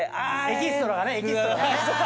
エキストラがね。